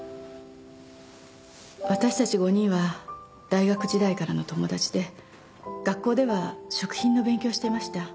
私たち５人は大学時代からの友達で学校では食品の勉強をしてました。